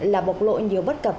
là bộc lộ nhiều bất cập